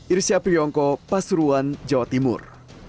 irsyapriyongko pasuruan jawa timur